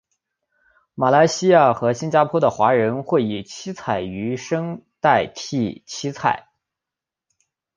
马来西亚和新加坡的华人会以七彩鱼生代替七菜。